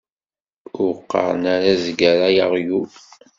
Ur qeṛṛen ara azger ar uɣyul.